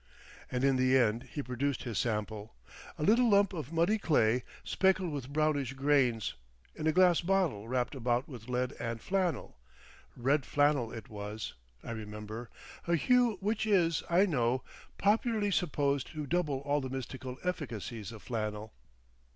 And in the end he produced his sample, a little lump of muddy clay speckled with brownish grains, in a glass bottle wrapped about with lead and flannel—red flannel it was, I remember—a hue which is, I know, popularly supposed to double all the mystical efficacies of flannel.